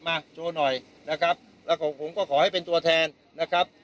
มาโชว์หน่อยนะครับแล้วก็ผมก็ขอให้เป็นตัวแทนนะครับ